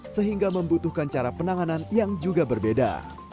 sehingga membutuhkan cara penanganan yang juga berbeda